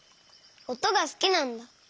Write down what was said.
おとがすきなんだ。